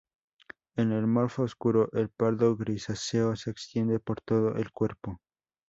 En el morfo oscuro el pardo grisáceo se extiende por todo el cuerpo.